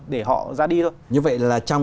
để họ ra đi thôi như vậy là trong